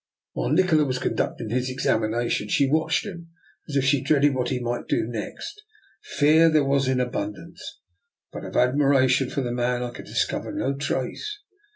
While Nikola was conduct ing his examination, she watched him as if she dreaded what he might do next. Fear there was in abundance, but of admiration for the man I could discover no trace.